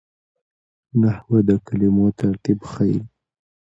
نحوه د کلمو ترتیب ښيي.